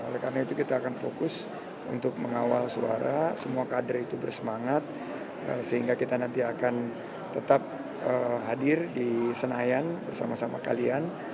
oleh karena itu kita akan fokus untuk mengawal suara semua kader itu bersemangat sehingga kita nanti akan tetap hadir di senayan bersama sama kalian